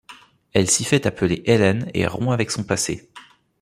Elle s'y fait appeler Helen et rompt avec son passé.